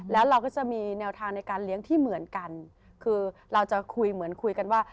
แล้วเราก็จะมีแนวทางในการเลี้ยงที่เหมือนกันคือเราจะคุยเหมือนคุยกันว่า